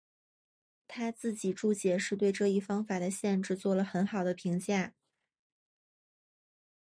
他自己注解是对这一方法的限制做了很好的评价。